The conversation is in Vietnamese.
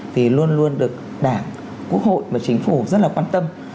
thì luôn luôn được đảng quốc hội và chính phủ rất là quan tâm